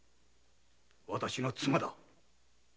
私の妻だ！